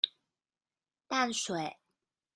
淡水